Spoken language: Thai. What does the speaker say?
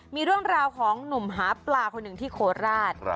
มีเรื่องราวของหนุ่มหาปลาคนหนึ่งที่โคราช